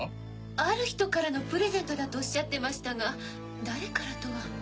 ある人からのプレゼントだとおっしゃってましたが誰からとは。